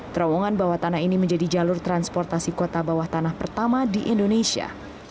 terowongan bawah tanah ini menjadi jalur transportasi kota bawah tanah pertama di indonesia